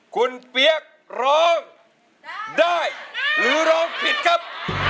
คุณเปี๊ยกร้องได้หรือร้องผิดครับ